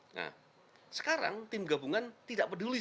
nah sekarang tim gabungan tidak peduli